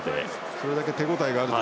それだけ手応えがあると。